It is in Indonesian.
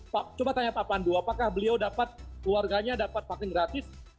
pak coba tanya pak pandu apakah beliau dapat keluarganya dapat vaksin gratis